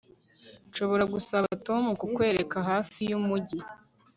Nshobora gusaba Tom kukwereka hafi yumujyi